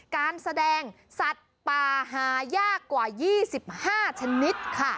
การแสดงสัตว์ป่าหายากกว่า๒๕ชนิดค่ะ